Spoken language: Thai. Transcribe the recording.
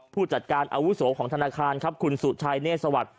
ผู้จัดการอาวุโสของธนาคารครับคุณสุชัยเนธสวัสดิ